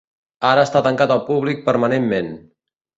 Ara està tancat al públic permanentment.